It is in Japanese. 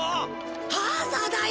アーサーだよ！